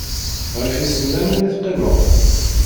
Ɣef yisennanen i teqqimeḍ?